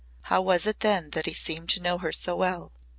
How was it then that he seemed to know her so well.